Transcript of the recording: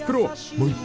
もう一杯］